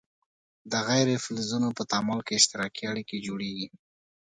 د غیر فلزونو په تعامل کې اشتراکي اړیکې جوړیږي.